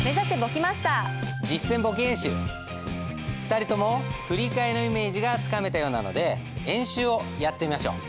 ２人とも振り替えのイメージがつかめたようなので演習をやってみましょう。